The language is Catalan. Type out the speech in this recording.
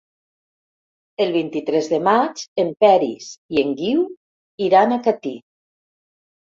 El vint-i-tres de maig en Peris i en Guiu iran a Catí.